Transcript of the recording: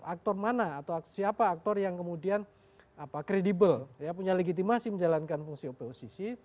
aktor mana atau siapa aktor yang kemudian kredibel punya legitimasi menjalankan fungsi oposisi